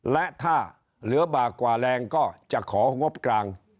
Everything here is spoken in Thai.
และถ้าเหลือบากกว่าแรงก็จะของงบกลาง